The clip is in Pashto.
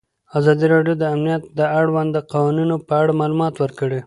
ازادي راډیو د امنیت د اړونده قوانینو په اړه معلومات ورکړي.